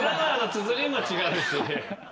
つづりも違うし。